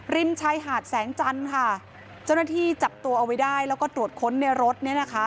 ริมชายหาดแสงจันทร์ค่ะเจ้าหน้าที่จับตัวเอาไว้ได้แล้วก็ตรวจค้นในรถเนี่ยนะคะ